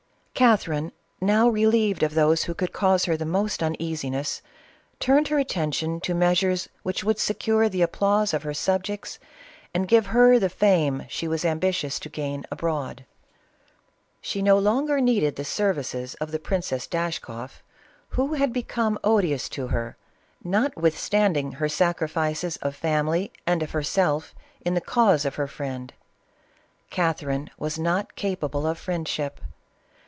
Catherine, now relieved from those who could cause her the most uneasiness, turned her attention to meas ures which would secure the applause of her subjects, and give her the fame she was ambitious to gain CATHERINE OF RUSSIA. 411 abroad. 'She no longer needed the services of the Princess Dashkoff, who had become odious to her, notwithstanding her sacrifices of family and of herself in the cause of her friend. Catherine was not capable of friendship.